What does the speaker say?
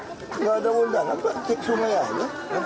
nggak ada undangan pak cik sunayahnya